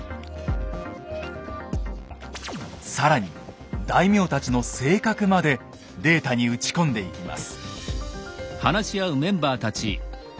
更に大名たちの性格までデータに打ち込んでいきます。